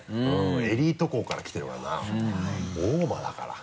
エリート校から来てるからな大間だから。